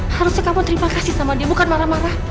harusnya kamu terima kasih sama dia bukan marah marah